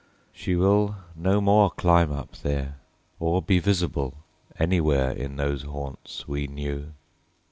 She will no more climb up there, Or be visible anywhere In those haunts we knew."